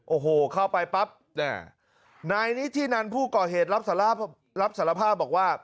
โอ้โหเข้าไปปั๊บนายนิธินันผู้ก่อเหตุรับสารภาพบอกว่า